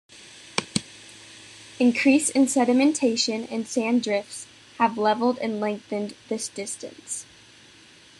Increase in sedimentation and sand drifts have leveled and lengthened this distance.